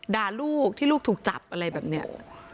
ด่าลูกที่ลูกถูกจับอะไรแบบนี้